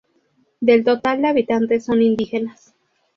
Del total de habitantes son indígenas.